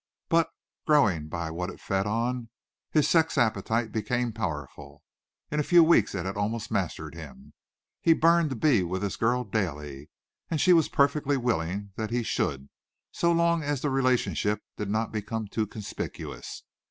But, growing by what it fed on, his sex appetite became powerful. In a few weeks it had almost mastered him. He burned to be with this girl daily and she was perfectly willing that he should, so long as the relationship did not become too conspicuous.